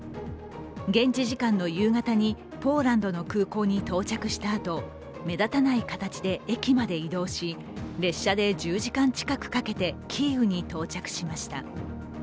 現地時間の夕方にポーランドの空港に到着したあと目立たない形で駅まで移動し列車で１０時間近くかけて、キーウに到着しました。